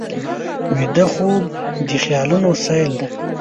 ویده خوب د خیالونو سیل دی